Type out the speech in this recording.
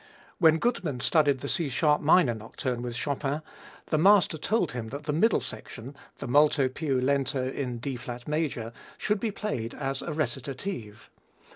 When Gutmann studied the C sharp minor Nocturne with Chopin, the master told him that the middle section the molto piu lento in D flat major should be played as a recitative.